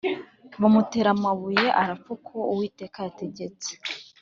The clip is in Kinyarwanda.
Bamutera amabuye arapfa uko uwiteka yategetse